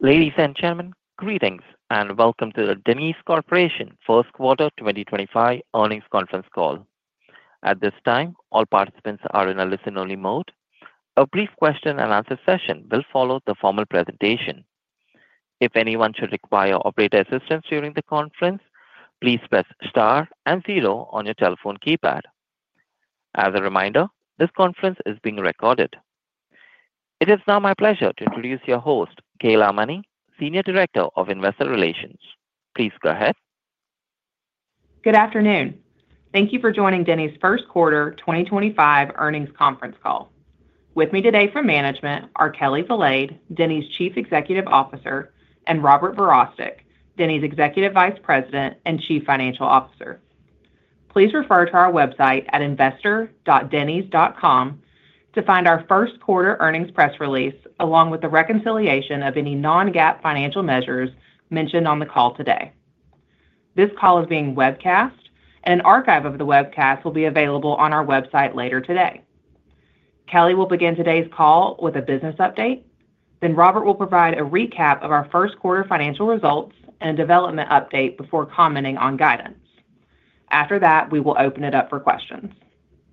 Ladies and gentlemen, greetings and welcome to the Denny's Corporation first quarter 2025 earnings conference call. At this time, all participants are in a listen-only mode. A brief question-and-answer session will follow the formal presentation. If anyone should require operator assistance during the conference, please press star and zero on your telephone keypad. As a reminder, this conference is being recorded. It is now my pleasure to introduce your host, Kayla Money, Senior Director of Investor Relations. Please go ahead. Good afternoon. Thank you for joining Denny's First Quarter 2025 Earnings Conference Call. With me today from management are Kelli Valade, Denny's Chief Executive Officer, and Robert Verostek, Denny's Executive Vice President and Chief Financial Officer. Please refer to our website at investor.dennys.com to find our First Quarter Earnings Press Release along with the reconciliation of any non-GAAP financial measures mentioned on the call today. This call is being webcast, and an archive of the webcast will be available on our website later today. Kelli will begin today's call with a business update, then Robert will provide a recap of our First Quarter financial results and a development update before commenting on guidance. After that, we will open it up for questions.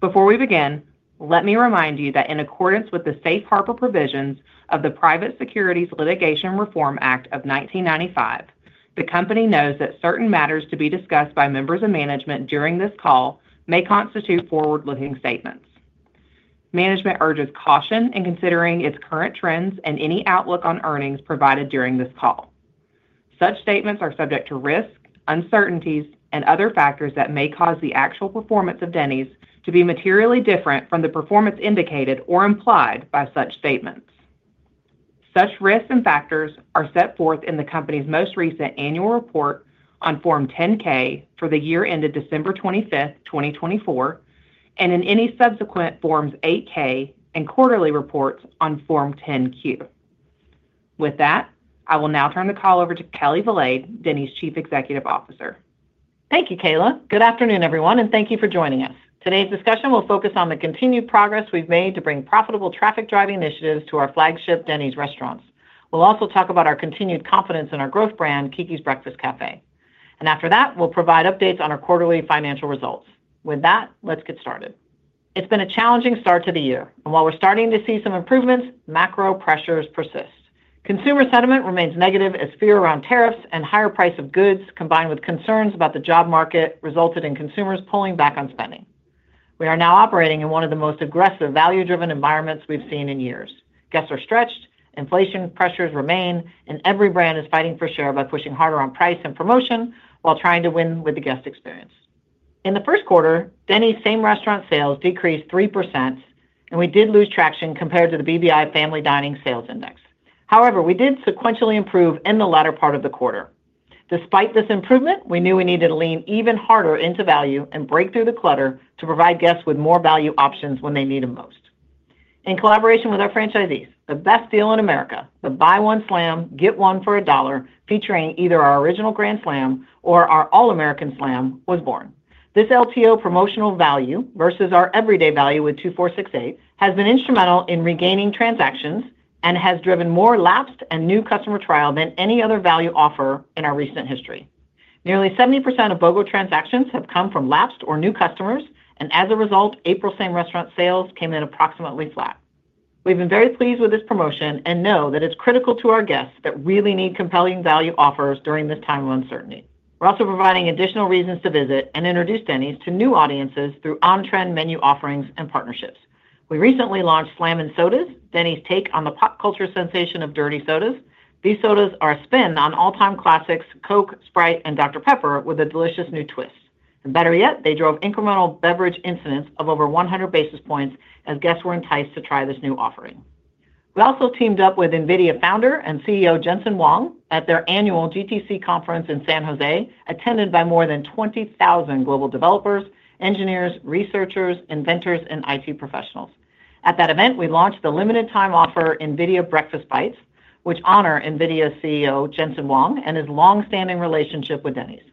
Before we begin, let me remind you that in accordance with the safe harbor provisions of the Private Securities Litigation Reform Act of 1995, the company knows that certain matters to be discussed by members of management during this call may constitute forward-looking statements. Management urges caution in considering its current trends and any outlook on earnings provided during this call. Such statements are subject to risk, uncertainties, and other factors that may cause the actual performance of Denny's to be materially different from the performance indicated or implied by such statements. Such risks and factors are set forth in the company's most recent annual report on Form 10-K for the year ended December 25, 2024, and in any subsequent Forms 8-K and quarterly reports on Form 10-Q. With that, I will now turn the call over to Kelli Valade, Denny's Chief Executive Officer. Thank you, Kayla. Good afternoon, everyone, and thank you for joining us. Today's discussion will focus on the continued progress we've made to bring profitable traffic-driving initiatives to our flagship Denny's restaurants. We'll also talk about our continued confidence in our growth brand, Keke's Breakfast Cafe. After that, we'll provide updates on our quarterly financial results. With that, let's get started. It's been a challenging start to the year, and while we're starting to see some improvements, macro pressures persist. Consumer sentiment remains negative as fear around tariffs and higher price of goods combined with concerns about the job market resulted in consumers pulling back on spending. We are now operating in one of the most aggressive value-driven environments we've seen in years. Guests are stretched, inflation pressures remain, and every brand is fighting for share by pushing harder on price and promotion while trying to win with the guest experience. In the first quarter, Denny's same restaurant sales decreased 3%, and we did lose traction compared to the BBI Family Dining Sales Index. However, we did sequentially improve in the latter part of the quarter. Despite this improvement, we knew we needed to lean even harder into value and break through the clutter to provide guests with more value options when they need them most. In collaboration with our franchisees, the best deal in America, the Buy One Slam Get One for a Dollar, featuring either our original Grand Slam or our All-American Slam, was born. This LTO promotional value versus our everyday value with 2468 has been instrumental in regaining transactions and has driven more lapsed and new customer trial than any other value offer in our recent history. Nearly 70% of BOGO transactions have come from lapsed or new customers, and as a result, April's same restaurant sales came in approximately flat. We've been very pleased with this promotion and know that it's critical to our guests that really need compelling value offers during this time of uncertainty. We're also providing additional reasons to visit and introduce Denny's to new audiences through on-trend menu offerings and partnerships. We recently launched Slammin' Sodas, Denny's take on the pop culture sensation of dirty sodas. These sodas are a spin on all-time classics, Coke, Sprite, and Dr. Pepper, with a delicious new twist. Better yet, they drove incremental beverage incidents of over 100 basis points as guests were enticed to try this new offering. We also teamed up with NVIDIA founder and CEO Jensen Huang at their annual GTC conference in San Jose, attended by more than 20,000 global developers, engineers, researchers, inventors, and IT professionals. At that event, we launched the limited-time offer NVIDIA Breakfast Bites, which honors NVIDIA CEO Jensen Huang and his long-standing relationship with Denny's.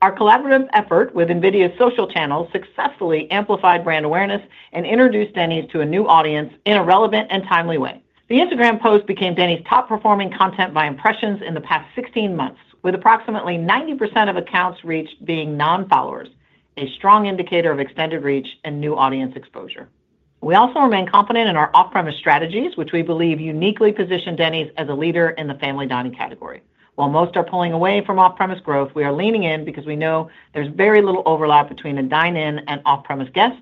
Our collaborative effort with NVIDIA's social channels successfully amplified brand awareness and introduced Denny's to a new audience in a relevant and timely way. The Instagram post became Denny's top-performing content by impressions in the past 16 months, with approximately 90% of accounts reached being non-followers, a strong indicator of extended reach and new audience exposure. We also remain confident in our off-premise strategies, which we believe uniquely position Denny's as a leader in the family dining category. While most are pulling away from off-premise growth, we are leaning in because we know there's very little overlap between a dine-in and off-premise guest,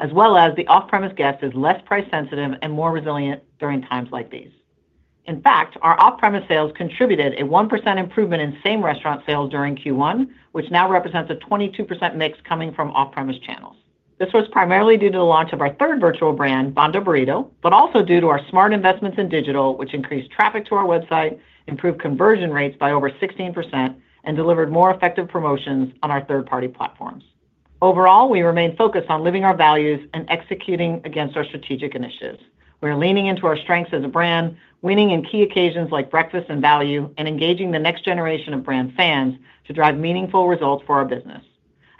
as well as the off-premise guest is less price-sensitive and more resilient during times like these. In fact, our off-premise sales contributed a 1% improvement in same restaurant sales during Q1, which now represents a 22% mix coming from off-premise channels. This was primarily due to the launch of our third virtual brand, Banda Burrito, but also due to our smart investments in digital, which increased traffic to our website, improved conversion rates by over 16%, and delivered more effective promotions on our third-party platforms. Overall, we remain focused on living our values and executing against our strategic initiatives. We are leaning into our strengths as a brand, winning in key occasions like breakfast and value, and engaging the next generation of brand fans to drive meaningful results for our business.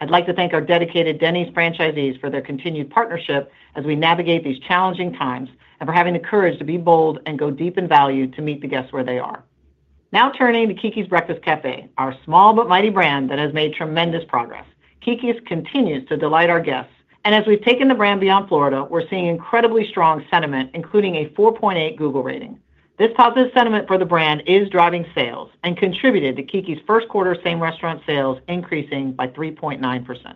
I'd like to thank our dedicated Denny's franchisees for their continued partnership as we navigate these challenging times and for having the courage to be bold and go deep in value to meet the guests where they are. Now turning to Keke's Breakfast Cafe, our small but mighty brand that has made tremendous progress. Keke's continues to delight our guests. As we've taken the brand beyond Florida, we're seeing incredibly strong sentiment, including a 4.8 Google rating. This positive sentiment for the brand is driving sales and contributed to Keke's first quarter same restaurant sales increasing by 3.9%.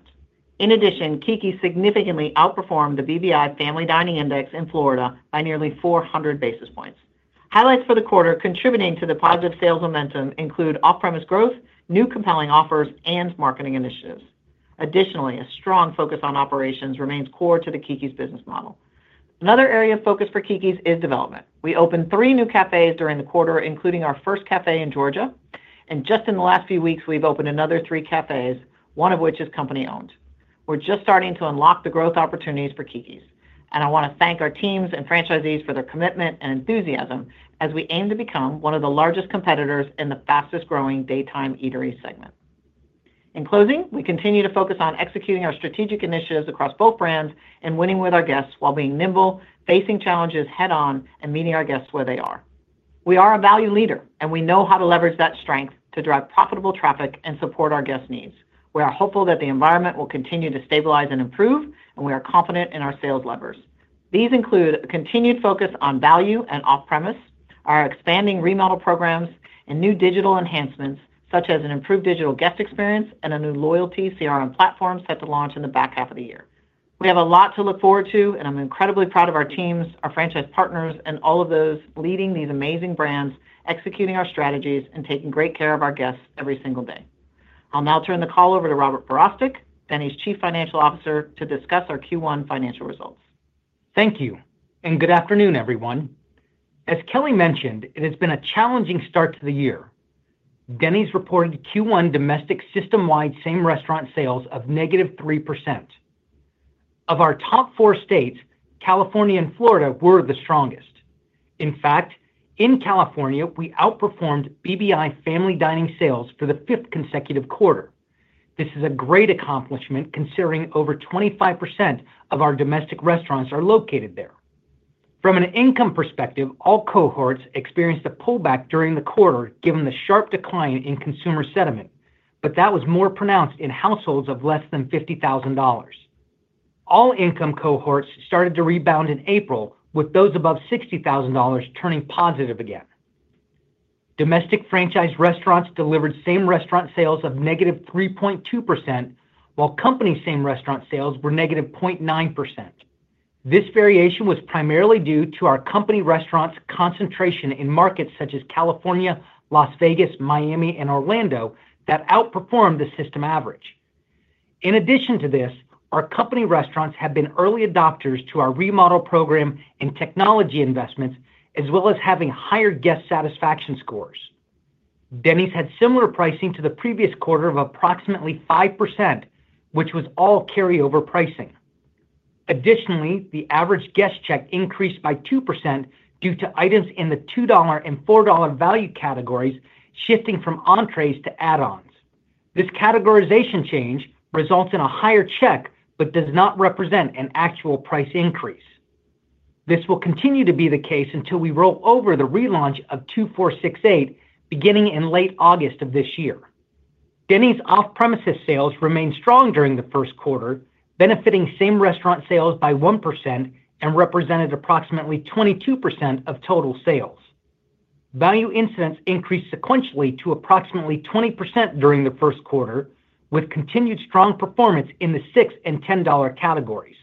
In addition, Keke's significantly outperformed the BBI Family Dining Index in Florida by nearly 400 basis points. Highlights for the quarter contributing to the positive sales momentum include off-premise growth, new compelling offers, and marketing initiatives. Additionally, a strong focus on operations remains core to the Keke's business model. Another area of focus for Keke's is development. We opened three new cafes during the quarter, including our first cafe in Georgia. In just the last few weeks, we've opened another three cafes, one of which is company-owned. We're just starting to unlock the growth opportunities for Keke's. I want to thank our teams and franchisees for their commitment and enthusiasm as we aim to become one of the largest competitors in the fastest-growing daytime eatery segment. In closing, we continue to focus on executing our strategic initiatives across both brands and winning with our guests while being nimble, facing challenges head-on, and meeting our guests where they are. We are a value leader, and we know how to leverage that strength to drive profitable traffic and support our guest needs. We are hopeful that the environment will continue to stabilize and improve, and we are confident in our sales levers. These include a continued focus on value and off-premise, our expanding remodel programs, and new digital enhancements such as an improved digital guest experience and a new loyalty CRM platform set to launch in the back half of the year. We have a lot to look forward to, and I'm incredibly proud of our teams, our franchise partners, and all of those leading these amazing brands, executing our strategies, and taking great care of our guests every single day. I'll now turn the call over to Robert Verostek, Denny's Chief Financial Officer, to discuss our Q1 financial results. Thank you. Good afternoon, everyone. As Kelli mentioned, it has been a challenging start to the year. Denny's reported Q1 domestic system-wide same restaurant sales of -3%. Of our top four states, California and Florida were the strongest. In fact, in California, we outperformed BBI Family Dining sales for the fifth consecutive quarter. This is a great accomplishment considering over 25% of our domestic restaurants are located there. From an income perspective, all cohorts experienced a pullback during the quarter given the sharp decline in consumer sentiment, but that was more pronounced in households of less than $50,000. All income cohorts started to rebound in April, with those above $60,000 turning positive again. Domestic franchise restaurants delivered same restaurant sales of -3.2%, while company same restaurant sales were -0.9%. This variation was primarily due to our company restaurants' concentration in markets such as California, Las Vegas, Miami, and Orlando that outperformed the system average. In addition to this, our company restaurants have been early adopters to our remodel program and technology investments, as well as having higher guest satisfaction scores. Denny's had similar pricing to the previous quarter of approximately 5%, which was all carryover pricing. Additionally, the average guest check increased by 2% due to items in the $2 and $4 value categories, shifting from entrees to add-ons. This categorization change results in a higher check, but does not represent an actual price increase. This will continue to be the case until we roll over the relaunch of 2468, beginning in late August of this year. Denny's off-premises sales remained strong during the first quarter, benefiting same restaurant sales by 1% and represented approximately 22% of total sales. Value incidents increased sequentially to approximately 20% during the first quarter, with continued strong performance in the $6 and $10 categories.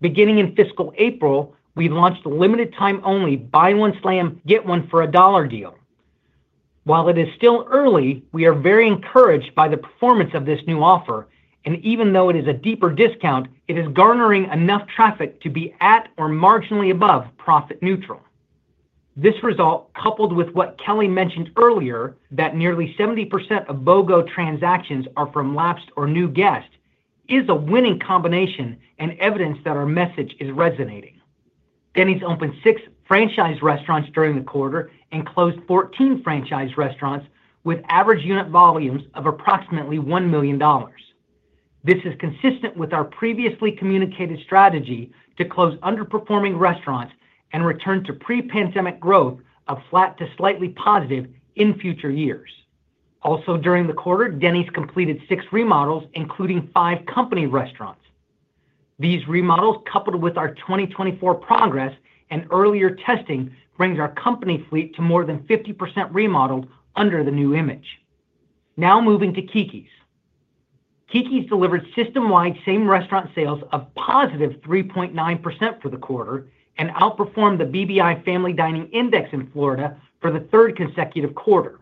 Beginning in fiscal April, we launched a limited-time-only Buy One Slam, Get One for a Dollar deal. While it is still early, we are very encouraged by the performance of this new offer, and even though it is a deeper discount, it is garnering enough traffic to be at or marginally above profit neutral. This result, coupled with what Kelli mentioned earlier, that nearly 70% of BOGO transactions are from lapsed or new guests, is a winning combination and evidence that our message is resonating. Denny's opened six franchise restaurants during the quarter and closed 14 franchise restaurants with average unit volumes of approximately $1 million. This is consistent with our previously communicated strategy to close underperforming restaurants and return to pre-pandemic growth of flat to slightly positive in future years. Also, during the quarter, Denny's completed six remodels, including five company restaurants. These remodels, coupled with our 2024 progress and earlier testing, brings our company fleet to more than 50% remodeled under the new image. Now moving to Keke's. Keke's delivered system-wide same restaurant sales of positive 3.9% for the quarter and outperformed the BBI Family Dining Index in Florida for the third consecutive quarter.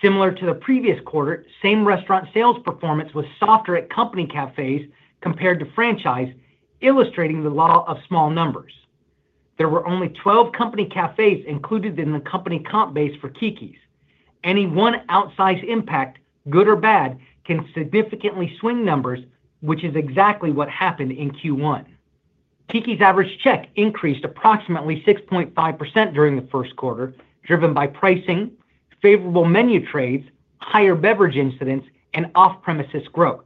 Similar to the previous quarter, same restaurant sales performance was softer at company cafes compared to franchise, illustrating the law of small numbers. There were only 12 company cafes included in the company comp base for Keke's. Any one outsized impact, good or bad, can significantly swing numbers, which is exactly what happened in Q1. Keke's average check increased approximately 6.5% during the first quarter, driven by pricing, favorable menu trades, higher beverage incidents, and off-premises growth.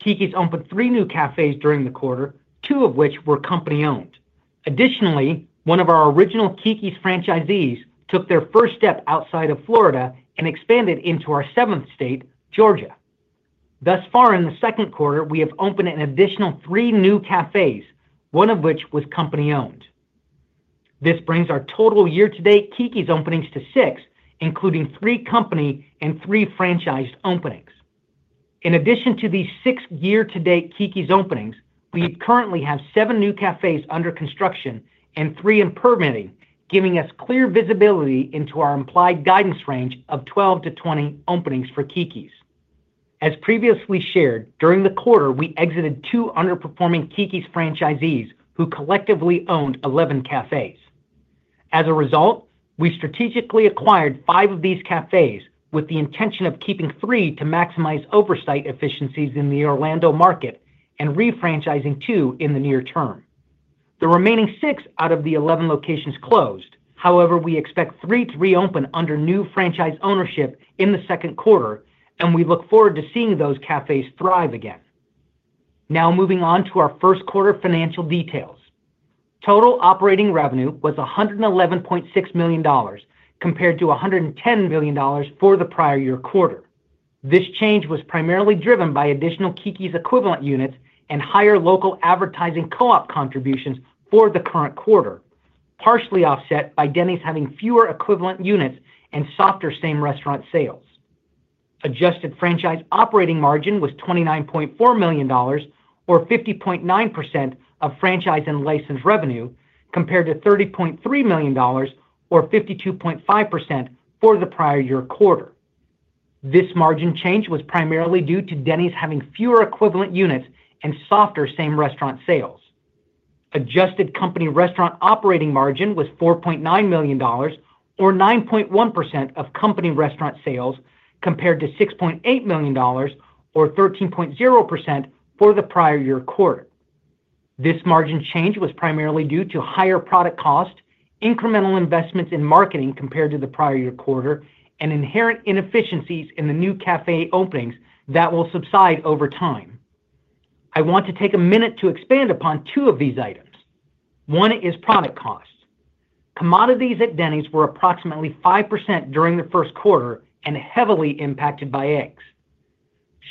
Keke's opened three new cafes during the quarter, two of which were company-owned. Additionally, one of our original Keke's franchisees took their first step outside of Florida and expanded into our seventh state, Georgia. Thus far, in the second quarter, we have opened an additional three new cafes, one of which was company-owned. This brings our total year-to-date Keke's openings to six, including three company and three franchised openings. In addition to these six year-to-date Keke's openings, we currently have seven new cafes under construction and three in permitting, giving us clear visibility into our implied guidance range of 12-20 openings for Keke's. As previously shared, during the quarter, we exited two underperforming Keke's franchisees who collectively owned 11 cafes. As a result, we strategically acquired five of these cafes with the intention of keeping three to maximize oversight efficiencies in the Orlando market and refranchising two in the near term. The remaining six out of the 11 locations closed. However, we expect three to reopen under new franchise ownership in the second quarter, and we look forward to seeing those cafes thrive again. Now moving on to our first quarter financial details. Total operating revenue was $111.6 million compared to $110 million for the prior year quarter. This change was primarily driven by additional Keke's equivalent units and higher local advertising co-op contributions for the current quarter, partially offset by Denny's having fewer equivalent units and softer same restaurant sales. Adjusted franchise operating margin was $29.4 million, or 50.9% of franchise and license revenue, compared to $30.3 million, or 52.5% for the prior year quarter. This margin change was primarily due to Denny's having fewer equivalent units and softer same restaurant sales. Adjusted company restaurant operating margin was $4.9 million, or 9.1% of company restaurant sales, compared to $6.8 million, or 13.0% for the prior year quarter. This margin change was primarily due to higher product cost, incremental investments in marketing compared to the prior year quarter, and inherent inefficiencies in the new cafe openings that will subside over time. I want to take a minute to expand upon two of these items. One is product cost. Commodities at Denny's were approximately 5% during the first quarter and heavily impacted by eggs.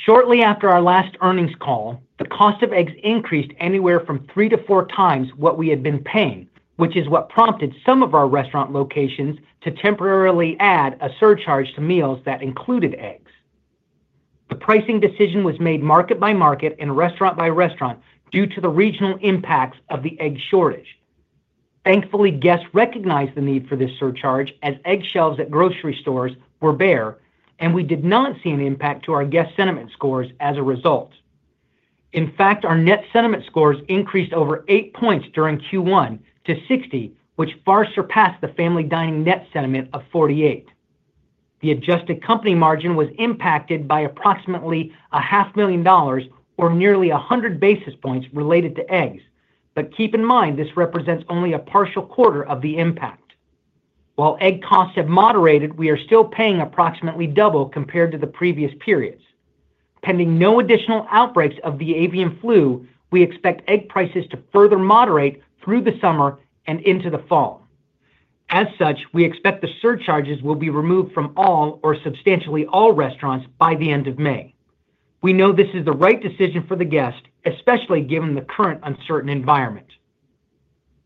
Shortly after our last earnings call, the cost of eggs increased anywhere from three to four times what we had been paying, which is what prompted some of our restaurant locations to temporarily add a surcharge to meals that included eggs. The pricing decision was made market by market and restaurant by restaurant due to the regional impacts of the egg shortage. Thankfully, guests recognized the need for this surcharge as egg shelves at grocery stores were bare, and we did not see an impact to our guest sentiment scores as a result. In fact, our net sentiment scores increased over eight points during Q1 to 60, which far surpassed the family dining net sentiment of 48. The adjusted company margin was impacted by approximately $500,000, or nearly 100 basis points related to eggs. Keep in mind, this represents only a partial quarter of the impact. While egg costs have moderated, we are still paying approximately double compared to the previous periods. Pending no additional outbreaks of the avian flu, we expect egg prices to further moderate through the summer and into the fall. As such, we expect the surcharges will be removed from all or substantially all restaurants by the end of May. We know this is the right decision for the guests, especially given the current uncertain environment.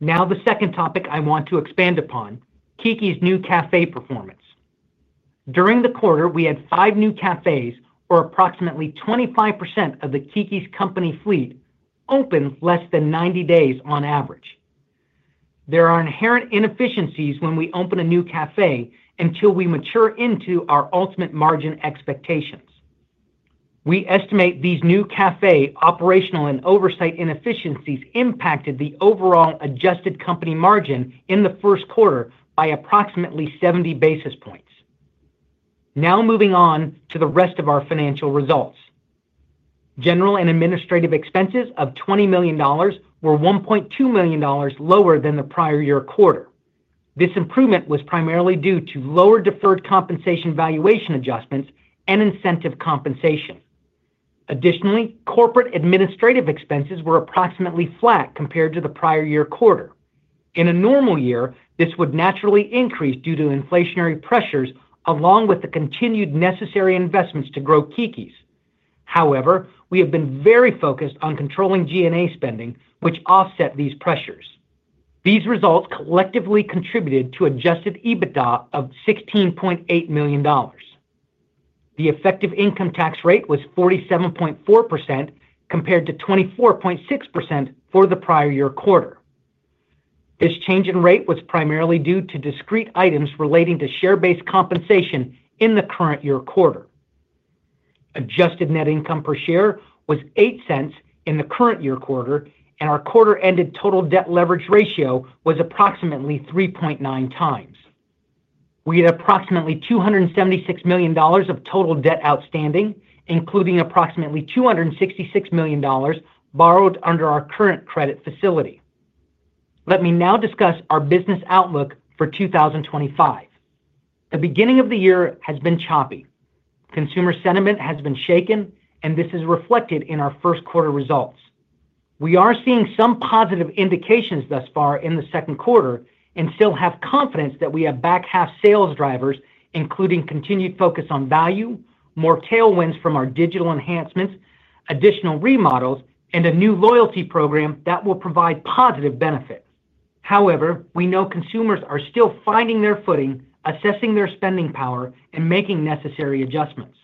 Now the second topic I want to expand upon: Keke's new cafe performance. During the quarter, we had five new cafes, or approximately 25% of the Keke's company fleet, open less than 90 days on average. There are inherent inefficiencies when we open a new cafe until we mature into our ultimate margin expectations. We estimate these new cafe operational and oversight inefficiencies impacted the overall adjusted company margin in the first quarter by approximately 70 basis points. Now moving on to the rest of our financial results. General and administrative expenses of $20 million were $1.2 million lower than the prior year quarter. This improvement was primarily due to lower deferred compensation valuation adjustments and incentive compensation. Additionally, corporate administrative expenses were approximately flat compared to the prior year quarter. In a normal year, this would naturally increase due to inflationary pressures along with the continued necessary investments to grow Keke's. However, we have been very focused on controlling G&A spending, which offset these pressures. These results collectively contributed to Adjusted EBITDA of $16.8 million. The effective income tax rate was 47.4% compared to 24.6% for the prior year quarter. This change in rate was primarily due to discrete items relating to share-based compensation in the current year quarter. Adjusted net income per share was $0.08 in the current year quarter, and our quarter-ended total debt leverage ratio was approximately 3.9 times. We had approximately $276 million of total debt outstanding, including approximately $266 million borrowed under our current credit facility. Let me now discuss our business outlook for 2025. The beginning of the year has been choppy. Consumer sentiment has been shaken, and this is reflected in our first quarter results. We are seeing some positive indications thus far in the second quarter and still have confidence that we have back half sales drivers, including continued focus on value, more tailwinds from our digital enhancements, additional remodels, and a new loyalty program that will provide positive benefits. However, we know consumers are still finding their footing, assessing their spending power, and making necessary adjustments.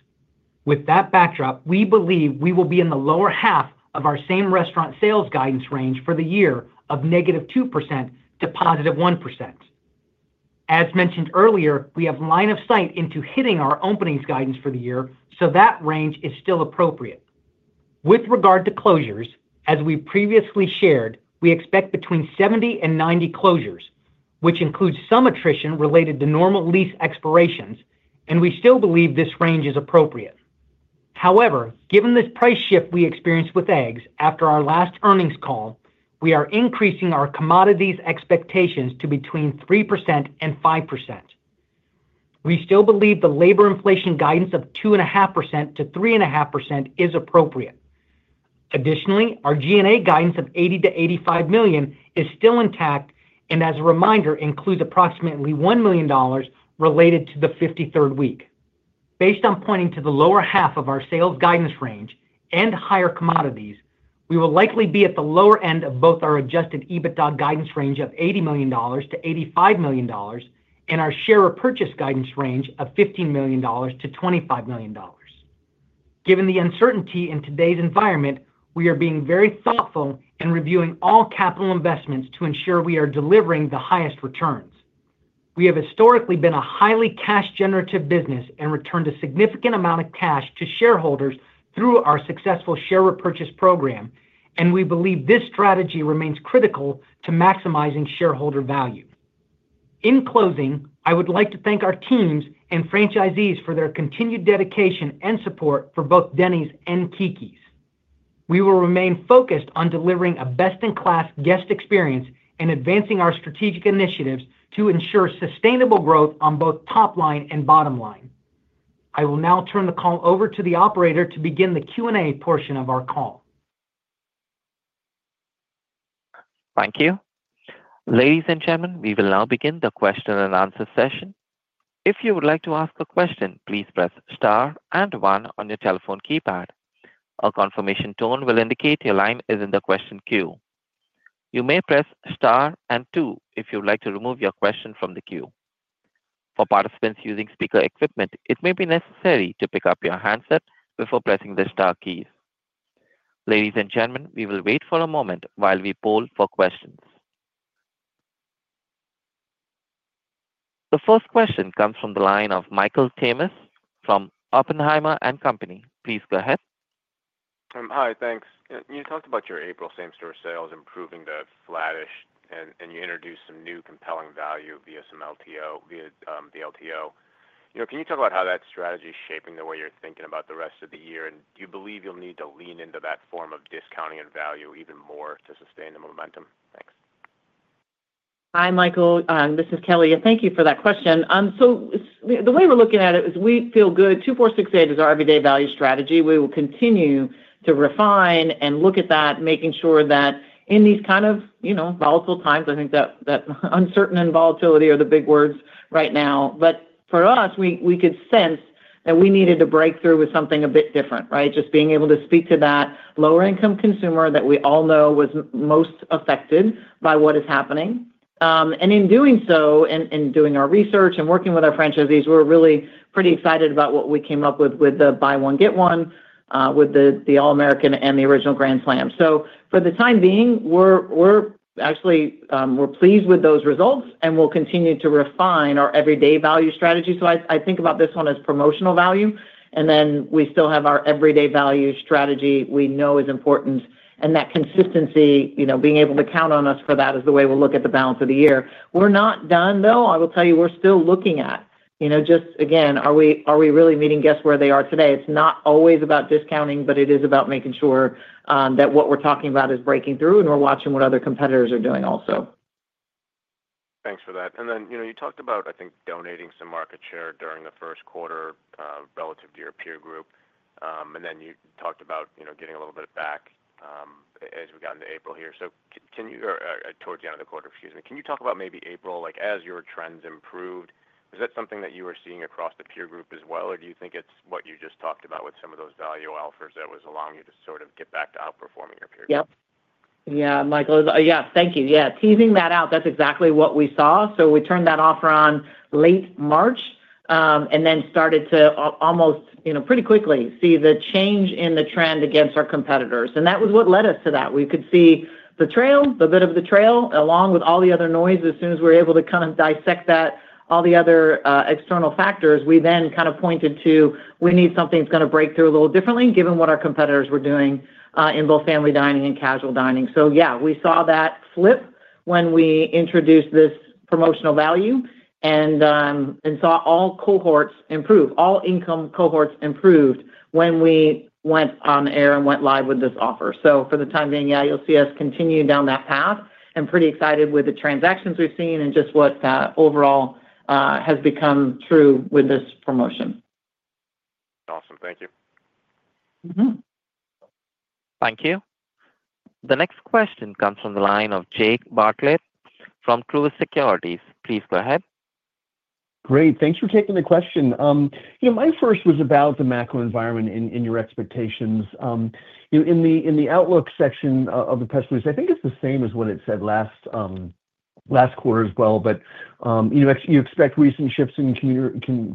With that backdrop, we believe we will be in the lower half of our same restaurant sales guidance range for the year of -2% to +1%. As mentioned earlier, we have line of sight into hitting our openings guidance for the year, so that range is still appropriate. With regard to closures, as we previously shared, we expect between 70 and 90 closures, which includes some attrition related to normal lease expirations, and we still believe this range is appropriate. However, given this price shift we experienced with eggs after our last earnings call, we are increasing our commodities expectations to between 3% and 5%. We still believe the labor inflation guidance of 2.5%-3.5% is appropriate. Additionally, our G&A guidance of $80 million-$85 million is still intact and, as a reminder, includes approximately $1 million related to the 53rd week. Based on pointing to the lower half of our sales guidance range and higher commodities, we will likely be at the lower end of both our Adjusted EBITDA guidance range of $80 million-$85 million and our share of purchase guidance range of $15 million-$25 million. Given the uncertainty in today's environment, we are being very thoughtful in reviewing all capital investments to ensure we are delivering the highest returns. We have historically been a highly cash-generative business and returned a significant amount of cash to shareholders through our successful share repurchase program, and we believe this strategy remains critical to maximizing shareholder value. In closing, I would like to thank our teams and franchisees for their continued dedication and support for both Denny's and Keke's. We will remain focused on delivering a best-in-class guest experience and advancing our strategic initiatives to ensure sustainable growth on both top line and bottom line. I will now turn the call over to the operator to begin the Q&A portion of our call. Thank you. Ladies and gentlemen, we will now begin the question and answer session. If you would like to ask a question, please press star and one on your telephone keypad. A confirmation tone will indicate your line is in the question queue. You may press star and two if you would like to remove your question from the queue. For participants using speaker equipment, it may be necessary to pick up your handset before pressing the star keys. Ladies and gentlemen, we will wait for a moment while we poll for questions. The first question comes from the line of Michael Themis from Oppenheimer & Company. Please go ahead. Hi, thanks. You talked about your April same-store sales improving to flattish, and you introduced some new compelling value via some LTO, via the LTO. Can you talk about how that strategy is shaping the way you're thinking about the rest of the year, and do you believe you'll need to lean into that form of discounting and value even more to sustain the momentum? Thanks. Hi, Michael. This is Kelli. Thank you for that question. The way we're looking at it is we feel good. 2468 is our everyday value strategy. We will continue to refine and look at that, making sure that in these kind of volatile times, I think that uncertainty and volatility are the big words right now. For us, we could sense that we needed to break through with something a bit different, right? Just being able to speak to that lower-income consumer that we all know was most affected by what is happening. In doing our research and working with our franchisees, we're really pretty excited about what we came up with, with the buy one, get one, with the All-American and the original Grand Slam. For the time being, we're actually pleased with those results, and we'll continue to refine our everyday value strategy. I think about this one as promotional value, and then we still have our everyday value strategy we know is important, and that consistency, being able to count on us for that is the way we'll look at the balance of the year. We're not done, though. I will tell you, we're still looking at just, again, are we really meeting guests where they are today? It's not always about discounting, but it is about making sure that what we're talking about is breaking through, and we're watching what other competitors are doing also. Thanks for that. You talked about, I think, donating some market share during the first quarter relative to your peer group, and you talked about getting a little bit back as we got into April here. Towards the end of the quarter, excuse me, can you talk about maybe April, as your trends improved? Is that something that you were seeing across the peer group as well, or do you think it's what you just talked about with some of those value offers that was allowing you to sort of get back to outperforming your peer group? Yep. Yeah, Michael. Yeah, thank you. Yeah. Teasing that out, that's exactly what we saw. We turned that offer on late March and then started to almost pretty quickly see the change in the trend against our competitors. That was what led us to that. We could see the trail, the bit of the trail, along with all the other noise. As soon as we were able to kind of dissect that, all the other external factors, we then kind of pointed to we need something that's going to break through a little differently given what our competitors were doing in both family dining and casual dining. Yeah, we saw that flip when we introduced this promotional value and saw all cohorts improve, all income cohorts improved when we went on air and went live with this offer. For the time being, yeah, you'll see us continue down that path. I'm pretty excited with the transactions we've seen and just what overall has become true with this promotion. Awesome. Thank you. Thank you. The next question comes from the line of Jake Bartlett from Truist Securities. Please go ahead. Great. Thanks for taking the question. My first was about the macro environment and your expectations. In the outlook section of the press release, I think it's the same as what it said last quarter as well, but you expect recent shifts in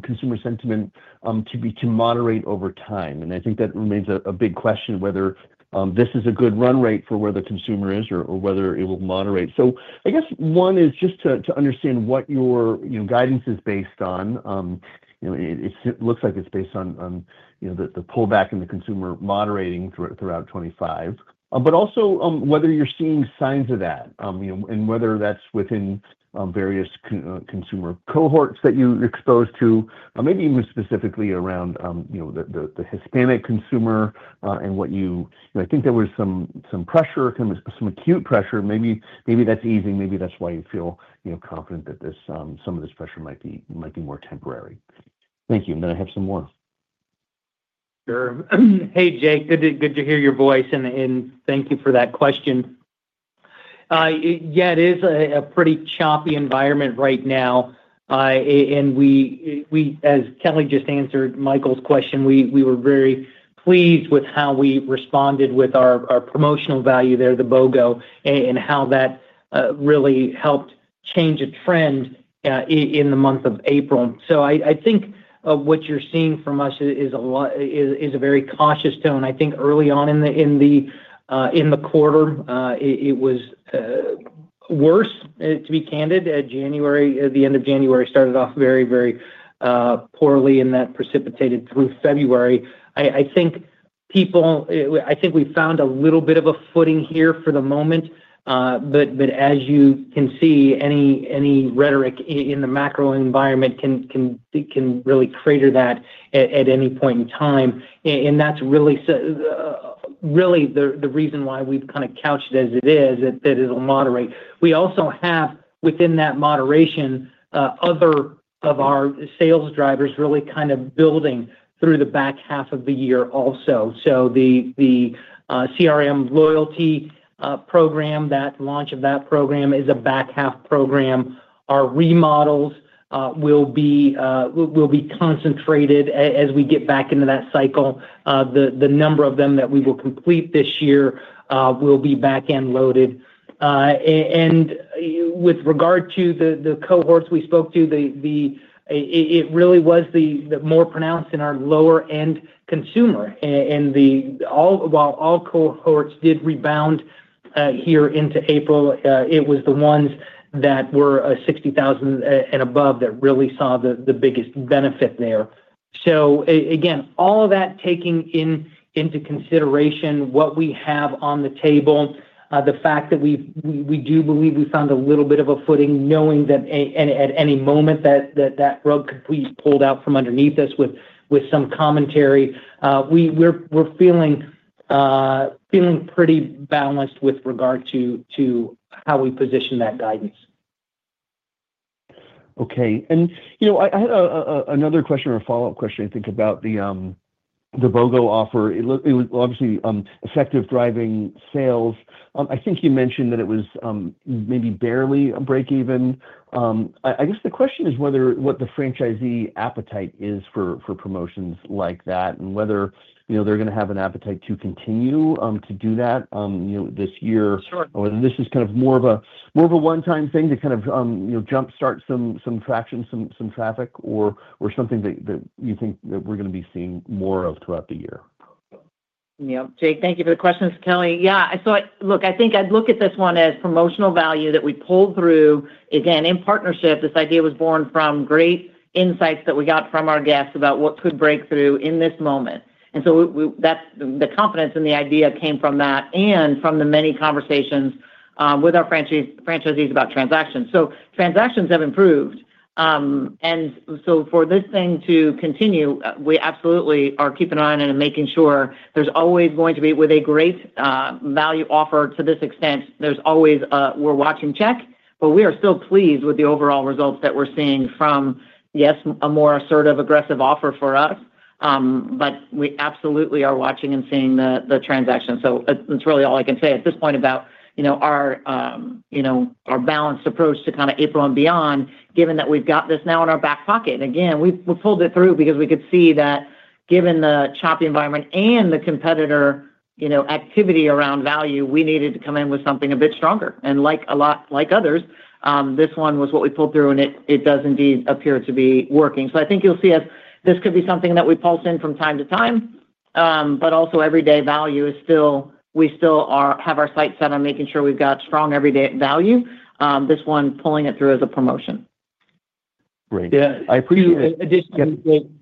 consumer sentiment to moderate over time. I think that remains a big question whether this is a good run rate for where the consumer is or whether it will moderate. I guess one is just to understand what your guidance is based on. It looks like it's based on the pullback in the consumer moderating throughout 2025, but also whether you're seeing signs of that and whether that's within various consumer cohorts that you're exposed to, maybe even specifically around the Hispanic consumer and what you, I think there was some pressure, some acute pressure. Maybe that's easing. Maybe that's why you feel confident that some of this pressure might be more temporary. Thank you. I have some more. Sure. Hey, Jake. Good to hear your voice, and thank you for that question. Yeah, it is a pretty choppy environment right now. As Kelli just answered Michael's question, we were very pleased with how we responded with our promotional value there, the BOGO, and how that really helped change a trend in the month of April. I think what you're seeing from us is a very cautious tone. I think early on in the quarter, it was worse, to be candid. At the end of January, it started off very, very poorly, and that precipitated through February. I think people, I think we found a little bit of a footing here for the moment, but as you can see, any rhetoric in the macro environment can really crater that at any point in time. That is really the reason why we've kind of couched it as it is, that it'll moderate. We also have, within that moderation, other of our sales drivers really kind of building through the back half of the year also. The CRM loyalty program, that launch of that program is a back half program. Our remodels will be concentrated as we get back into that cycle. The number of them that we will complete this year will be back and loaded. With regard to the cohorts we spoke to, it really was more pronounced in our lower-end consumer. While all cohorts did rebound here into April, it was the ones that were $60,000 and above that really saw the biggest benefit there. Again, all of that taking into consideration what we have on the table, the fact that we do believe we found a little bit of a footing knowing that at any moment that rug could be pulled out from underneath us with some commentary, we're feeling pretty balanced with regard to how we position that guidance. Okay. I had another question or a follow-up question, I think, about the BOGO offer. It was obviously effective driving sales. I think you mentioned that it was maybe barely a break-even. I guess the question is what the franchisee appetite is for promotions like that and whether they're going to have an appetite to continue to do that this year. This is kind of more of a one-time thing to kind of jump-start some traction, some traffic, or something that you think that we're going to be seeing more of throughout the year. Y Yep. Jake, thank you for the questions, Kelli. Yeah. I think I'd look at this one as promotional value that we pulled through, again, in partnership. This idea was born from great insights that we got from our guests about what could break through in this moment. The confidence in the idea came from that and from the many conversations with our franchisees about transactions. Transactions have improved. For this thing to continue, we absolutely are keeping an eye on it and making sure there's always going to be, with a great value offer to this extent, there's always a we're watching check, but we are still pleased with the overall results that we're seeing from, yes, a more assertive, aggressive offer for us, but we absolutely are watching and seeing the transaction. That's really all I can say at this point about our balanced approach to kind of April and beyond, given that we've got this now in our back pocket. Again, we pulled it through because we could see that given the choppy environment and the competitor activity around value, we needed to come in with something a bit stronger. Like others, this one was what we pulled through, and it does indeed appear to be working. I think you'll see us, this could be something that we pulse in from time to time, but also everyday value is still, we still have our sights set on making sure we've got strong everyday value. This one, pulling it through as a promotion. Great. Yeah, I appreciate it.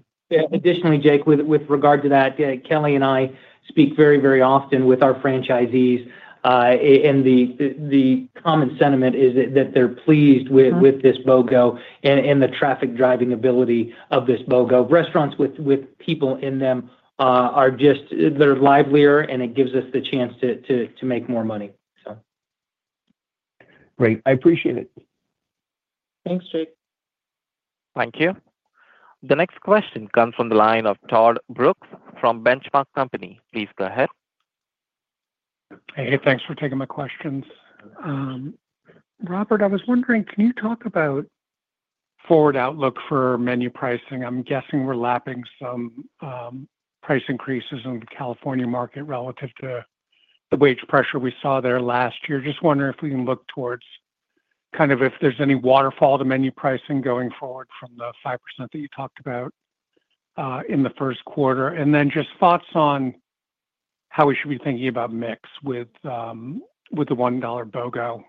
Additionally, Jake, with regard to that, Kelli and I speak very, very often with our franchisees, and the common sentiment is that they're pleased with this BOGO and the traffic driving ability of this BOGO. Restaurants with people in them are just, they're livelier, and it gives us the chance to make more money, so. Great. I appreciate it. Thanks, Jake. Thank you. The next question comes from the line of Todd Brooks from Benchmark Company. Please go ahead. Hey, thanks for taking my questions. Robert, I was wondering, can you talk about forward outlook for menu pricing? I'm guessing we're lapping some price increases in the California market relative to the wage pressure we saw there last year. Just wondering if we can look towards kind of if there's any waterfall to menu pricing going forward from the 5% that you talked about in the first quarter. Just thoughts on how we should be thinking about mix with the $1 BOGO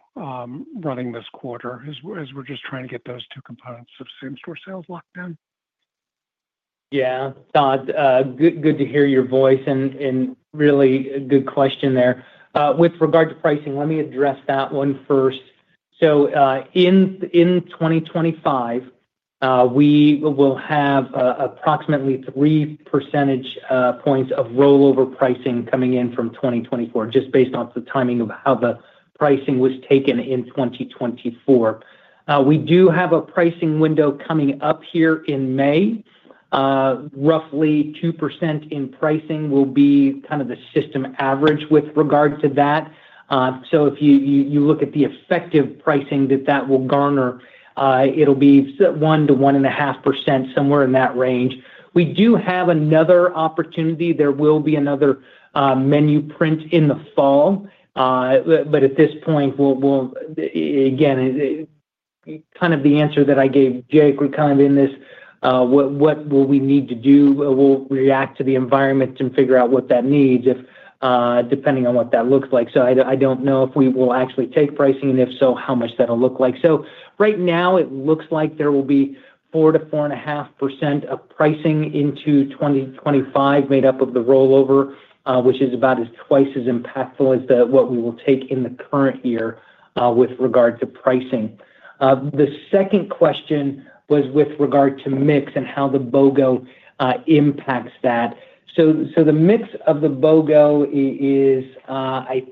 running this quarter as we're just trying to get those two components of same-store sales locked in. Yeah. Todd, good to hear your voice and really good question there. With regard to pricing, let me address that one first. In 2025, we will have approximately 3 percentage points of rollover pricing coming in from 2024, just based off the timing of how the pricing was taken in 2024. We do have a pricing window coming up here in May. Roughly 2% in pricing will be kind of the system average with regard to that. If you look at the effective pricing that that will garner, it'll be 1%-1.5%, somewhere in that range. We do have another opportunity. There will be another menu print in the fall. At this point, again, kind of the answer that I gave Jake would kind of be in this, what will we need to do? We'll react to the environment and figure out what that needs, depending on what that looks like. I don't know if we will actually take pricing, and if so, how much that'll look like. Right now, it looks like there will be 4%-4.5% of pricing into 2025 made up of the rollover, which is about twice as impactful as what we will take in the current year with regard to pricing. The second question was with regard to mix and how the BOGO impacts that. The mix of the BOGO is, I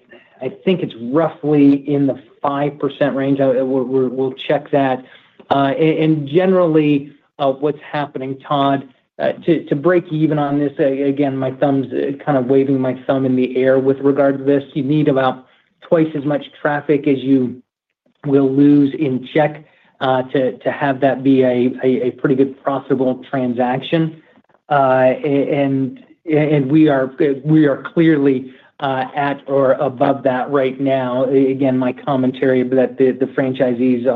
think it's roughly in the 5% range. We'll check that. Generally, what's happening, Todd, to break even on this, again, my thumb's kind of waving my thumb in the air with regard to this. You need about twice as much traffic as you will lose in check to have that be a pretty good profitable transaction. We are clearly at or above that right now. Again, my commentary that the franchisees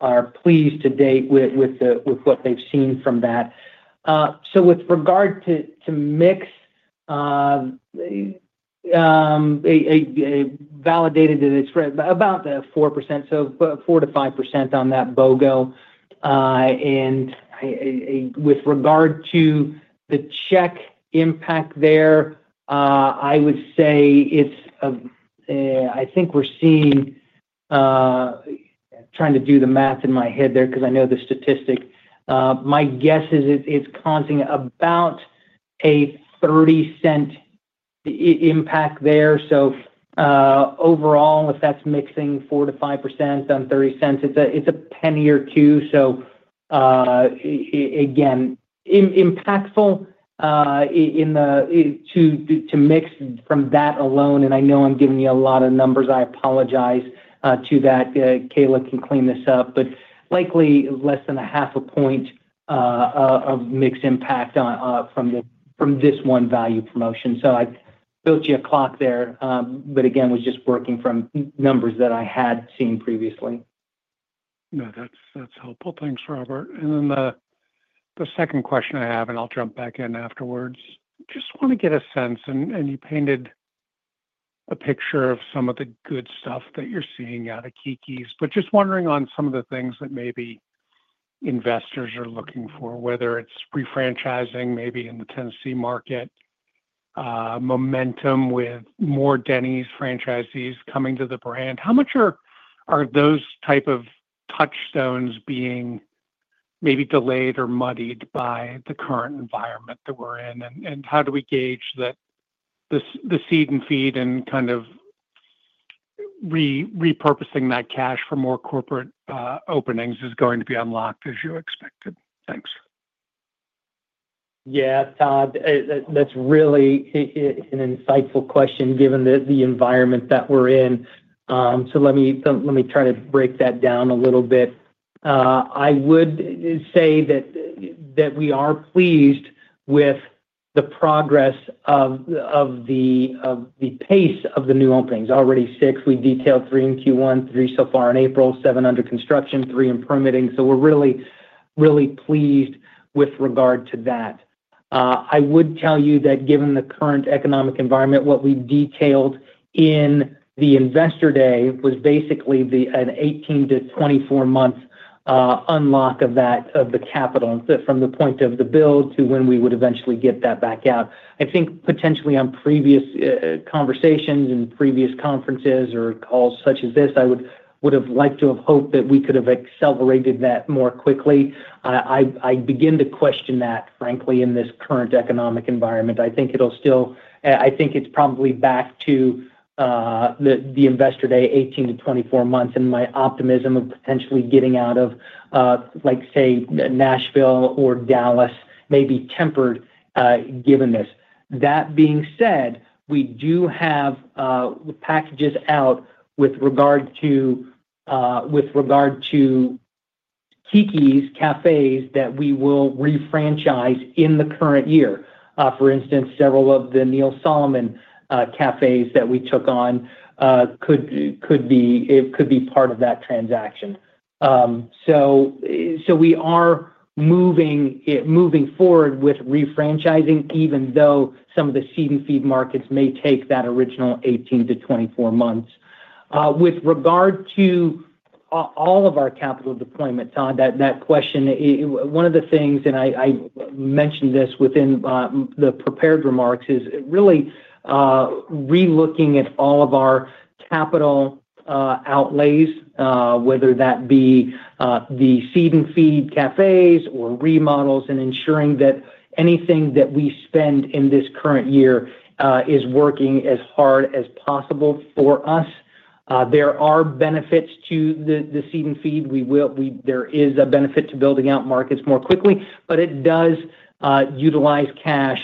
are pleased to date with what they've seen from that. With regard to mix, validated that it's about 4%, so 4%-5% on that BOGO. With regard to the check impact there, I would say it's, I think we're seeing, trying to do the math in my head there because I know the statistic. My guess is it's causing about a 30-cent impact there. Overall, if that's mixing 4%-5% on 30 cents, it's a penny or two. Again, impactful to mix from that alone. I know I'm giving you a lot of numbers. I apologize to that. Kelli can clean this up, but likely less than a half a point of mixed impact from this one value promotion. I built you a clock there, but again, was just working from numbers that I had seen previously. No, that's helpful. Thanks, Robert. The second question I have, and I'll jump back in afterwards. Just want to get a sense, and you painted a picture of some of the good stuff that you're seeing out of Keke's, but just wondering on some of the things that maybe investors are looking for, whether it's refranchising maybe in the Tennessee market, momentum with more Denny's franchisees coming to the brand. How much are those type of touchstones being maybe delayed or muddied by the current environment that we're in? How do we gauge that the seed and feed and kind of repurposing that cash for more corporate openings is going to be unlocked as you expected? Thanks. Yeah, Todd, that's really an insightful question given the environment that we're in. Let me try to break that down a little bit. I would say that we are pleased with the progress of the pace of the new openings. Already six. We detailed three in Q1, three so far in April, seven under construction, three in permitting. We are really, really pleased with regard to that. I would tell you that given the current economic environment, what we detailed in the investor day was basically an 18 to 24 month unlock of that of the capital from the point of the build to when we would eventually get that back out. I think potentially on previous conversations and previous conferences or calls such as this, I would have liked to have hoped that we could have accelerated that more quickly. I begin to question that, frankly, in this current economic environment. I think it will still, I think it is probably back to the investor day, 18-24 months, and my optimism of potentially getting out of, say, Nashville or Dallas may be tempered given this. That being said, we do have packages out with regard to Keke's cafes that we will refranchise in the current year. For instance, several of the Neil Solomon cafes that we took on could be part of that transaction. We are moving forward with refranchising, even though some of the seed and feed markets may take that original 18 to 24 months. With regard to all of our capital deployment, Todd, that question, one of the things, and I mentioned this within the prepared remarks, is really re-looking at all of our capital outlays, whether that be the seed and feed cafes or remodels and ensuring that anything that we spend in this current year is working as hard as possible for us. There are benefits to the seed and feed. There is a benefit to building out markets more quickly, but it does utilize cash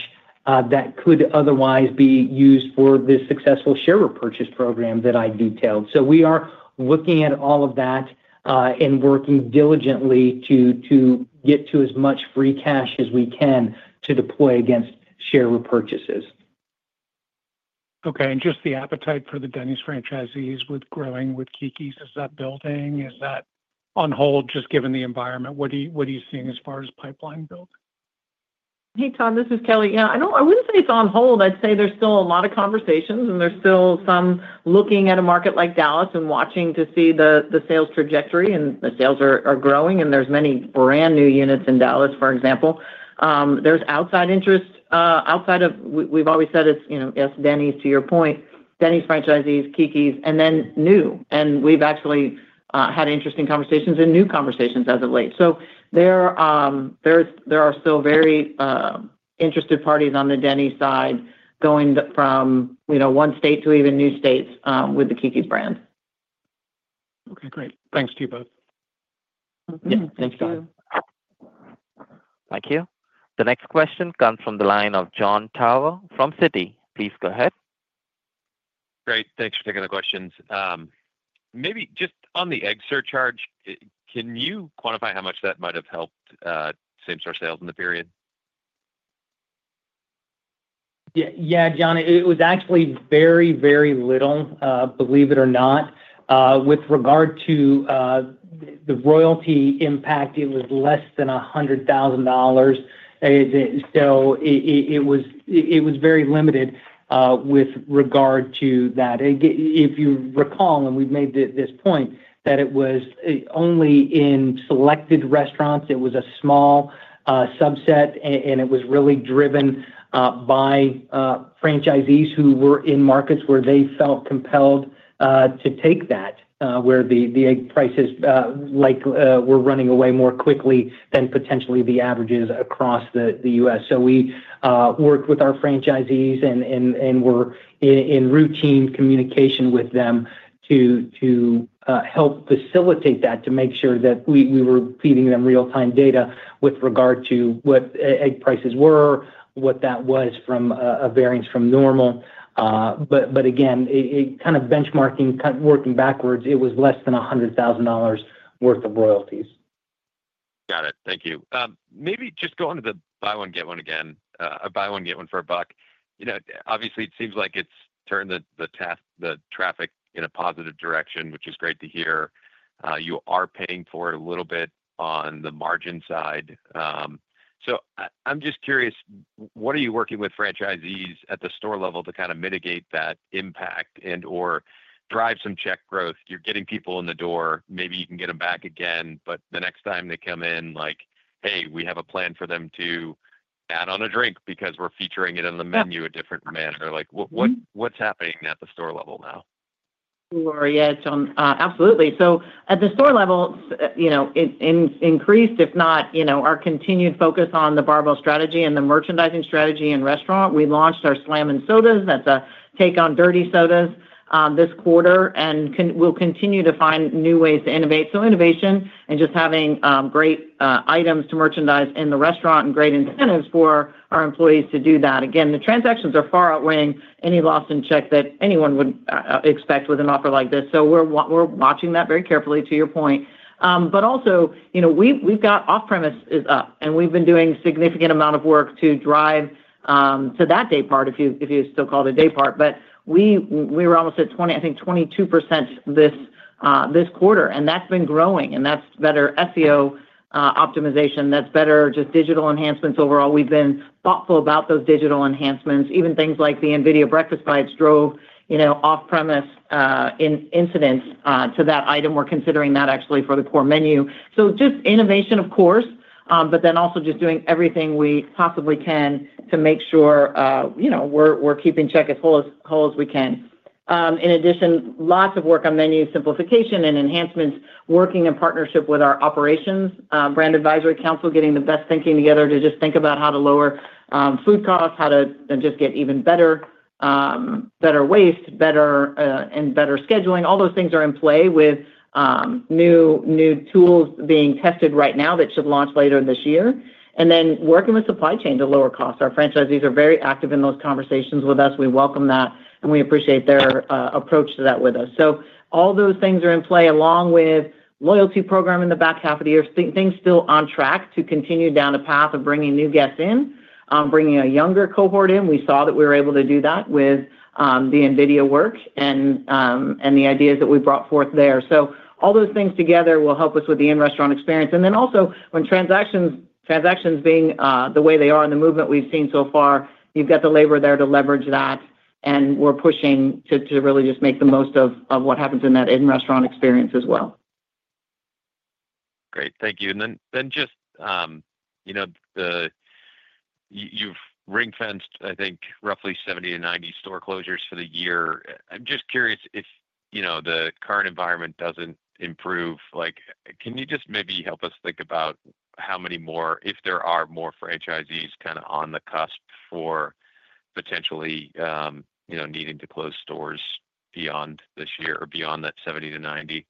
that could otherwise be used for this successful share repurchase program that I detailed. We are looking at all of that and working diligently to get to as much free cash as we can to deploy against share repurchases. Okay. Just the appetite for the Denny's franchisees with growing with Keke's, is that building? Is that on hold just given the environment? What are you seeing as far as pipeline build? Hey, Todd, this is Kelli. Yeah. I wouldn't say it's on hold. I'd say there's still a lot of conversations, and there's still some looking at a market like Dallas and watching to see the sales trajectory. The sales are growing, and there's many brand new units in Dallas, for example. There's outside interest outside of we've always said it's, yes, Denny's, to your point, Denny's franchisees, Keke's, and then new. And we've actually had interesting conversations and new conversations as of late. There are still very interested parties on the Denny's side going from one state to even new states with the Keke's brand. Okay. Great. Thanks to you both. Yeah. Thanks, Todd. Thank you. The next question comes from the line of John Tawa from Citi. Please go ahead. Great. Thanks for taking the questions. Maybe just on the egg surcharge, can you quantify how much that might have helped same-store sales in the period? Yeah, John, it was actually very, very little, believe it or not. With regard to the royalty impact, it was less than $100,000. It was very limited with regard to that. If you recall, and we've made this point, that it was only in selected restaurants. It was a small subset, and it was really driven by franchisees who were in markets where they felt compelled to take that, where the egg prices were running away more quickly than potentially the averages across the U.S. We worked with our franchisees and were in routine communication with them to help facilitate that, to make sure that we were feeding them real-time data with regard to what egg prices were, what that was from a variance from normal. Again, kind of benchmarking, working backwards, it was less than $100,000 worth of royalties. Got it. Thank you. Maybe just going to the buy one, get one again, a buy one, get one for a buck. Obviously, it seems like it's turned the traffic in a positive direction, which is great to hear. You are paying for it a little bit on the margin side. I am just curious, what are you working with franchisees at the store level to kind of mitigate that impact and/or drive some check growth? You are getting people in the door. Maybe you can get them back again, but the next time they come in, like, "Hey, we have a plan for them to add on a drink because we are featuring it on the menu a different manner." What is happening at the store level now? Sure. Yeah, John, absolutely. At the store level, it increased, if not our continued focus on the barbell strategy and the merchandising strategy in restaurant. We launched our Slammin' Sodas. That is a take on dirty sodas this quarter and will continue to find new ways to innovate. Innovation and just having great items to merchandise in the restaurant and great incentives for our employees to do that. Again, the transactions are far outweighing any lost in check that anyone would expect with an offer like this. We are watching that very carefully, to your point. We have got off-premises up, and we have been doing a significant amount of work to drive to that day part, if you still call it a day part. We were almost at, I think, 22% this quarter, and that has been growing. That is better SEO optimization. That is better just digital enhancements overall. We have been thoughtful about those digital enhancements. Even things like the NVIDIA Breakfast Bites drove off-premise incidents to that item. We are considering that actually for the core menu. Just innovation, of course, but then also just doing everything we possibly can to make sure we're keeping check as whole as we can. In addition, lots of work on menu simplification and enhancements, working in partnership with our operations, brand advisory council, getting the best thinking together to just think about how to lower food costs, how to just get even better waste, and better scheduling. All those things are in play with new tools being tested right now that should launch later this year. Then working with supply chain to lower costs. Our franchisees are very active in those conversations with us. We welcome that, and we appreciate their approach to that with us. All those things are in play along with the loyalty program in the back half of the year. Things still on track to continue down a path of bringing new guests in, bringing a younger cohort in. We saw that we were able to do that with the NVIDIA work and the ideas that we brought forth there. All those things together will help us with the in-restaurant experience. When transactions being the way they are and the movement we've seen so far, you've got the labor there to leverage that, and we're pushing to really just make the most of what happens in that in-restaurant experience as well. Great. Thank you. Just the you've ring-fenced, I think, roughly 70-90 store closures for the year. I'm just curious if the current environment doesn't improve. Can you just maybe help us think about how many more, if there are more franchisees kind of on the cusp for potentially needing to close stores beyond this year or beyond that 70-90?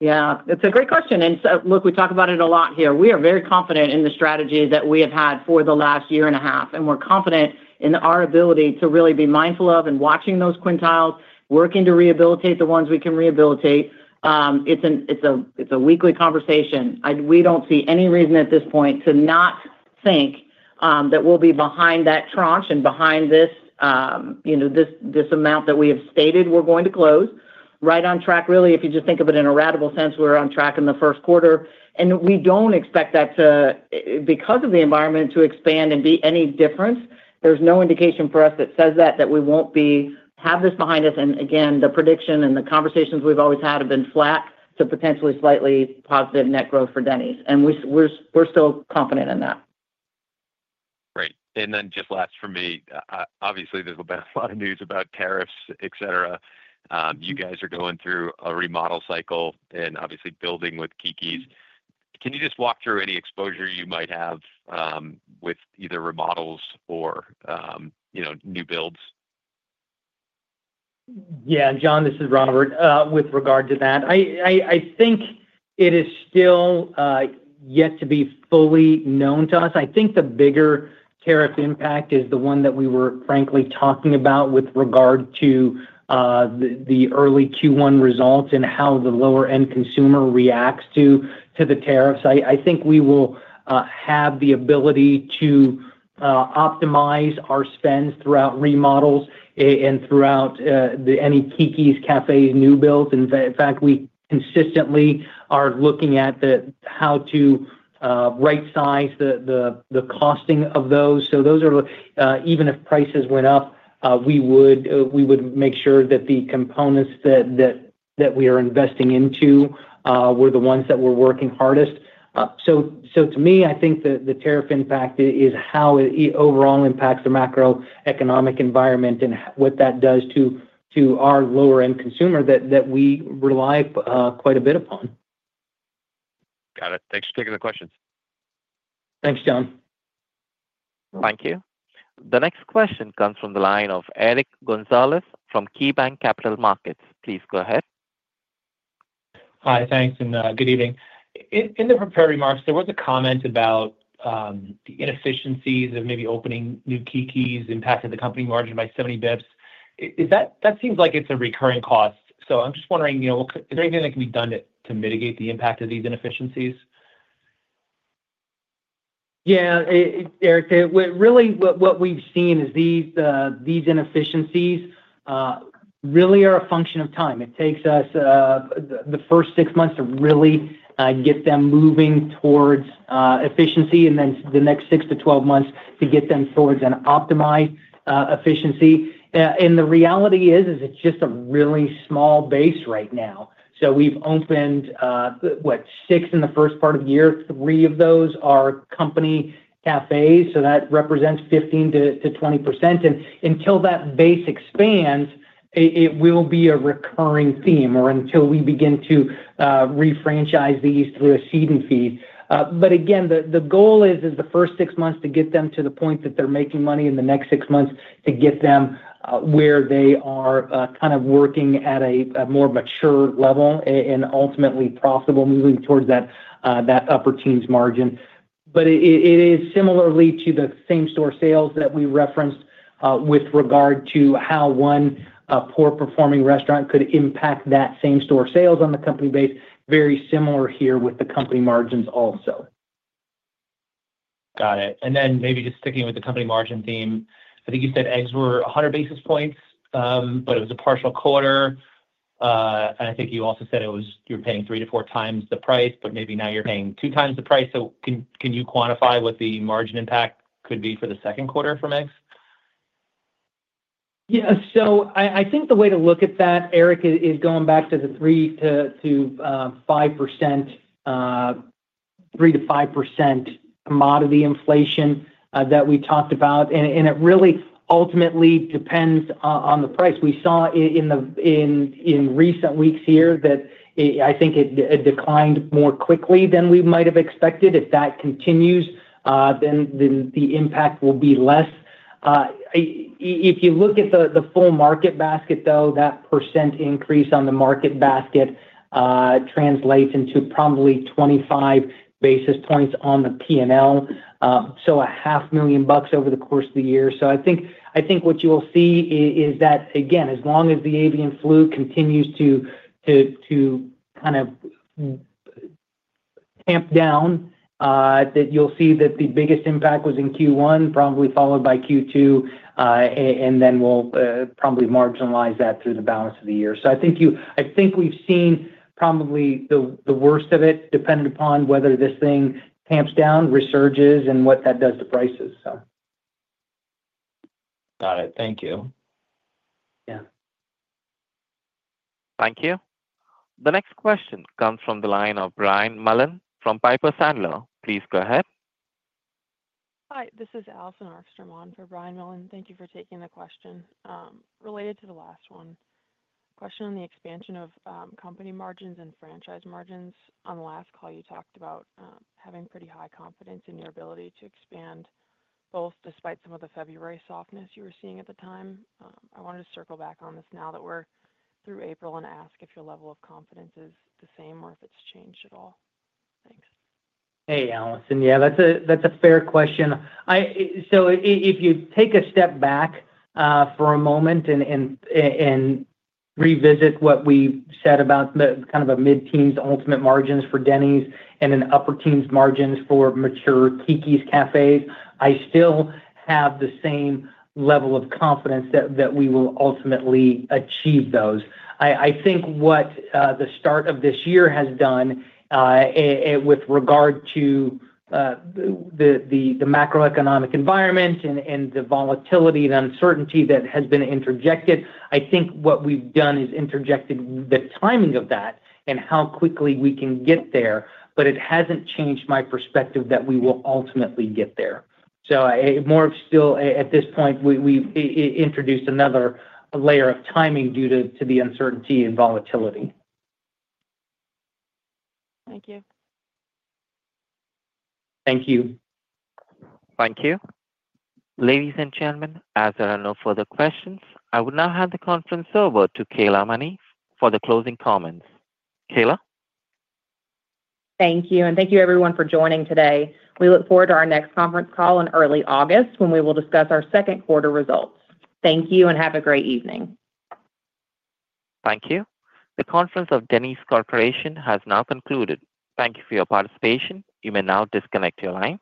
Yeah. It's a great question. Look, we talk about it a lot here. We are very confident in the strategy that we have had for the last year and a half, and we're confident in our ability to really be mindful of and watching those quintiles, working to rehabilitate the ones we can rehabilitate. It's a weekly conversation. We don't see any reason at this point to not think that we'll be behind that tranche and behind this amount that we have stated we're going to close. Right on track, really. If you just think of it in a radical sense, we're on track in the first quarter. We do not expect that to, because of the environment, to expand and be any different. There is no indication for us that says that, that we will not have this behind us. Again, the prediction and the conversations we have always had have been flat to potentially slightly positive net growth for Denny's. We are still confident in that. Great. Just last for me, obviously, there has been a lot of news about tariffs, etc. You guys are going through a remodel cycle and obviously building with Keke's. Can you just walk through any exposure you might have with either remodels or new builds? Yeah. John, this is Robert with regard to that. I think it is still yet to be fully known to us. I think the bigger tariff impact is the one that we were frankly talking about with regard to the early Q1 results and how the lower-end consumer reacts to the tariffs. I think we will have the ability to optimize our spends throughout remodels and throughout any Keke's cafe new builds. In fact, we consistently are looking at how to right-size the costing of those. Even if prices went up, we would make sure that the components that we are investing into were the ones that we're working hardest. To me, I think the tariff impact is how it overall impacts the macroeconomic environment and what that does to our lower-end consumer that we rely quite a bit upon. Got it. Thanks for taking the questions. Thanks, John. Thank you. The next question comes from the line of Eric Gonzalez from KeyBanc Capital Markets. Please go ahead. Hi. Thanks. And good evening. In the prepared remarks, there was a comment about the inefficiencies of maybe opening new Keke's impacted the company margin by 70 basis points. That seems like it's a recurring cost. So I'm just wondering, is there anything that can be done to mitigate the impact of these inefficiencies? Yeah. Eric, really what we've seen is these inefficiencies really are a function of time. It takes us the first six months to really get them moving towards efficiency and then the next 6 to 12 months to get them towards an optimized efficiency. The reality is, is it's just a really small base right now. So we've opened, what, six in the first part of the year. Three of those are company cafes. So that represents 15%-20%. Until that base expands, it will be a recurring theme or until we begin to refranchise these through a seed and feed. The goal is the first six months to get them to the point that they're making money and the next six months to get them where they are kind of working at a more mature level and ultimately profitable, moving towards that upper teens margin. It is similarly to the same-store sales that we referenced with regard to how one poor-performing restaurant could impact that same-store sales on the company base. Very similar here with the company margins also. Got it. Maybe just sticking with the company margin theme, I think you said eggs were 100 basis points, but it was a partial quarter. I think you also said you were paying three to four times the price, but maybe now you're paying two times the price. Can you quantify what the margin impact could be for the second quarter from eggs? Yeah. I think the way to look at that, Eric, is going back to the 3%-5% commodity inflation that we talked about. It really ultimately depends on the price. We saw in recent weeks here that I think it declined more quickly than we might have expected. If that continues, the impact will be less. If you look at the full market basket, though, that percent increase on the market basket translates into probably 25 basis points on the P&L. So $500,000 over the course of the year. I think what you will see is that, again, as long as the avian flu continues to kind of tamp down, that you'll see that the biggest impact was in Q1, probably followed by Q2, and then we'll probably marginalize that through the balance of the year. I think we've seen probably the worst of it depending upon whether this thing tamps down, resurges, and what that does to prices. Got it. Thank you. Yeah. Thank you. The next question comes from the line of Brian Mullen from Piper Sandler. Please go ahead. Hi. This is Allison Arfstrom on for Brian Mullen. Thank you for taking the question related to the last one. Question on the expansion of company margins and franchise margins. On the last call, you talked about having pretty high confidence in your ability to expand, both despite some of the February softness you were seeing at the time. I wanted to circle back on this now that we're through April and ask if your level of confidence is the same or if it's changed at all. Thanks. Hey, Allison. Yeah, that's a fair question. If you take a step back for a moment and revisit what we said about kind of a mid-teens ultimate margins for Denny's and an upper teens margins for mature Keke's cafes, I still have the same level of confidence that we will ultimately achieve those. I think what the start of this year has done with regard to the macroeconomic environment and the volatility and uncertainty that has been interjected, I think what we've done is interjected the timing of that and how quickly we can get there, but it hasn't changed my perspective that we will ultimately get there. More still, at this point, we've introduced another layer of timing due to the uncertainty and volatility. Thank you. Thank you. Thank you. Ladies and gentlemen, as there are no further questions, I will now hand the conference over to Kayla Money for the closing comments. Kayla? Thank you. Thank you, everyone, for joining today. We look forward to our next conference call in early August when we will discuss our second quarter results. Thank you and have a great evening. Thank you. The conference of Denny's Corporation has now concluded. Thank you for your participation. You may now disconnect your lines.